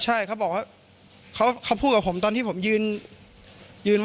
ใช่เขาบอกว่าเขาพูดกับผมตอนที่ผมยืน